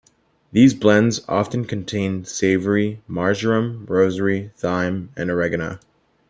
These blends often contain savory, marjoram, rosemary, thyme, and oregano.